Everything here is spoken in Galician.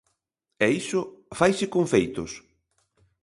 E iso faise con feitos.